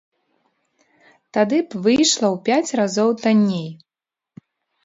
Тады б выйшла ў пяць разоў танней.